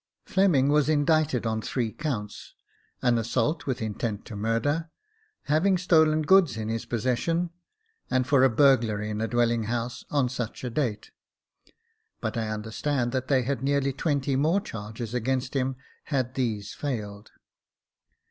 Fleming was indicted on three counts ;— an assault, with intent to murder ; having stolen goods in his possession j and for a burglary in a dwelling house, on such a date ; but I understand that they had nearly twenty more charges against him, had these failed.